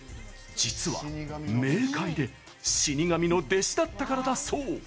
実は、冥界で死神の弟子だったからだそう。